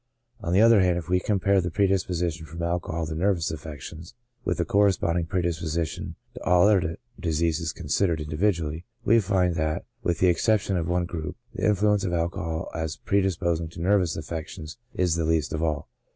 On the other hand, if we compare the predisposition from alcohol to nervous affections with the corresponding predisposition to all other diseases considered individually, we find that, with the exception of one group, the influence of alcohol as predisposing to nervous affections is the least of all.